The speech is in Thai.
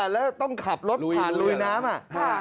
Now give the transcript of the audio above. แล้วต้องขับรถผ่านลุยน้ำ